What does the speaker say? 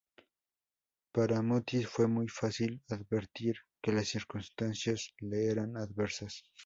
Para Mutis fue muy fácil advertir que las circunstancias le eran adversas.